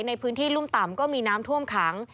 ในพื้นที่รุ่มต่ำก็มีน้ำท่วมขัง